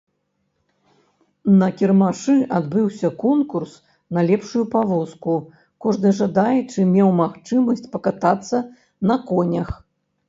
На кірмашы адбыўся конкурс на лепшую павозку, кожны жадаючы меў магчымасць пакатацца на конях.